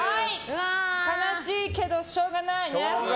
悲しいけど、しょうがないね。